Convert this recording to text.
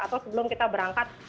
atau sebelum kita berangkat